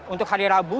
untuk hari rabu